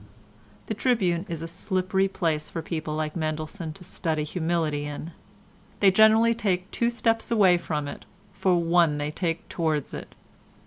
The Tribune is a slippery place for people like Mendelssohn to study humility in. They generally take two steps away from it for one they take towards it.